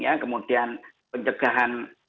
ya kemudian pencegahan